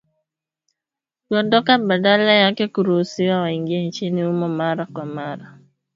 Kuondoka badala yake wakiruhusiwa waingie nchini humo mara kwa mara.